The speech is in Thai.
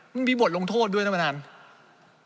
มันมีบทลงโทษด้วยทั้งประมาณนั้น